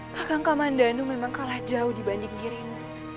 kakak mandanu memang kalah jauh dibanding dirimu